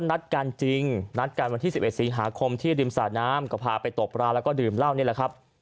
นัดกันจริงนัดกันวันที่๑๑สิงหาคมที่ริมสระน้ำก็พาไปตบราแล้วก็ดื่มเหล้านี่แหละครับ